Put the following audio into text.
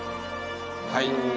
はい。